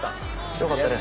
よかったです。